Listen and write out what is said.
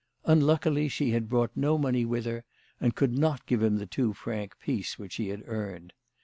Unluckily she had brought no money with her, and could not give him the two franc piece which he had earned.